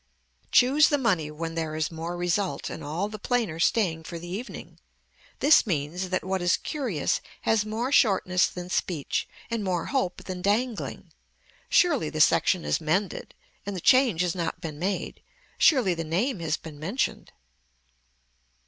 Choose the money when there is more result and all the plainer staying for the evening. This means that what is curious has more shortness than speech and more hope than dangling. Surely the section is mended and the change has not been made. Surely the name has been mentioned.